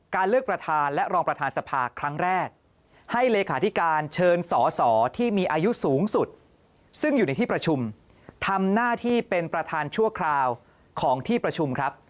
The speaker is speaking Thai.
เลือกประธานและรองประธานสภาครั้งแรกให้เลขาธิการเชิญสอสอที่มีอายุสูงสุดซึ่งอยู่ในที่ประชุมทำหน้าที่เป็นประธานชั่วคราวของที่ประชุมครับ